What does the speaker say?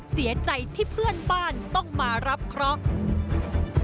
เสียใจที่เพื่อนบ้านต้องมารับเคราะห์